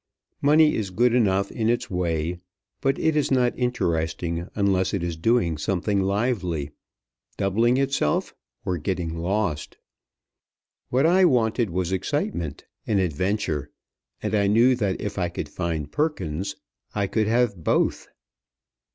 Money is good enough in its way, but it is not interesting unless it is doing something lively doubling itself or getting lost. What I wanted was excitement, an adventure, and I knew that if I could find Perkins, I could have both.